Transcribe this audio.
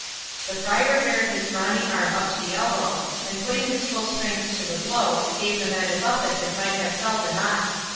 The Friar bared his brawny arm up to the elbow, and putting his full strength to the blow, gave the Knight a buffet that might have felled an ox.